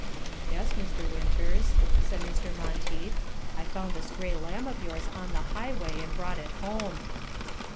"Yes, Mr. Winters," said Mr. Monteith, "I found a stray lamb of yours on the highway, and brought it home."